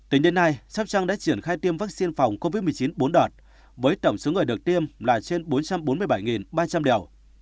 tỉnh đến nay sopchang đã triển khai tiêm vaccine phòng covid một mươi chín bốn đợt với tổng số người được tiêm là trên bốn trăm bốn mươi bảy ba trăm linh đều